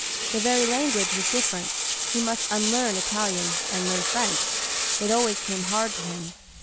The very language was different. He must unlearn Italian, and learn French. It always came hard to him.